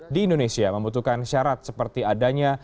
di indonesia membutuhkan syarat seperti adanya